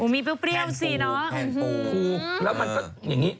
อ๋อมีเปรี้ยวสิเนาะแขนปูแล้วมันเป็นอย่างนี้